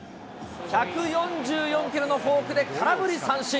１４４キロのフォークで空振り三振。